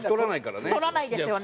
太らないですよね。